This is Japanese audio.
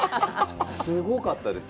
すごかったです。